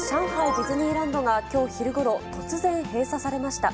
ディズニーランドがきょう昼ごろ、突然、閉鎖されました。